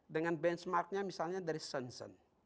dengan benchmarknya misalnya dari senson